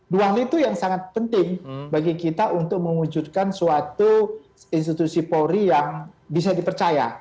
dua hal itu yang sangat penting bagi kita untuk mewujudkan suatu institusi polri yang bisa dipercaya